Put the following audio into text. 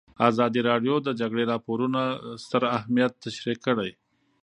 ازادي راډیو د د جګړې راپورونه ستر اهميت تشریح کړی.